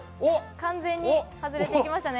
完全に外れていきましたね。